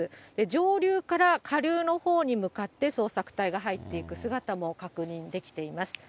上流から下流のほうに向かって捜索隊が、入っていく姿も確認できています。